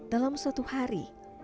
dalam satu hari